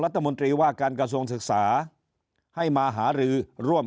รัฐมนตรีว่าการกระทรวงศึกษาให้มาหารือร่วม